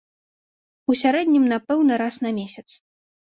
У сярэднім, напэўна, раз на месяц.